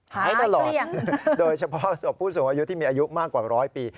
หายตลอดโดยเฉพาะศพผู้สูงอายุที่มีอายุมากกว่าร้อยปี